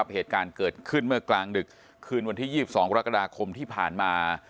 เหตุการณ์เกิดขึ้นเมื่อกลางดึกคืนวันที่๒๒กรกฎาคมที่ผ่านมา